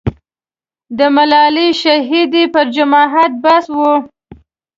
د ملالۍ شهیدې پر شجاعت بحث و.